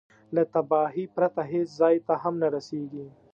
له تباهي پرته هېڅ ځای ته هم نه رسېږي.